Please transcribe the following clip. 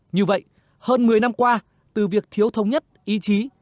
như vậy hơn một mươi năm qua từ việc thiếu thống nhất ý chí